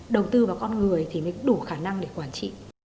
đầu tư vào con người thì mới đủ khả năng để quản trị